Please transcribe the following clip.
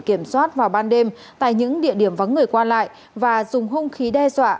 kiểm soát vào ban đêm tại những địa điểm vắng người qua lại và dùng hung khí đe dọa